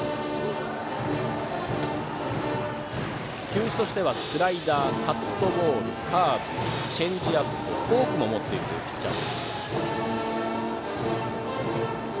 球種としてはスライダーカットボールカーブ、チェンジアップフォークも持っているピッチャー。